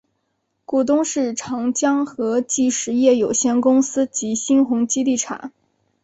股东是长江和记实业有限公司及新鸿基地产。